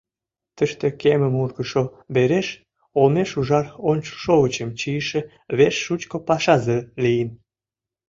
Тыште кемым ургышо Вереш олмеш ужар ончылшовычым чийыше вес шучко пашазе лийын.